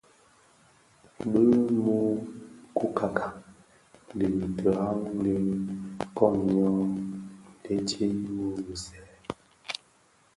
Bi mü coukaka dhi tihaň dhi koň nyô-ndhèti wu bisèè.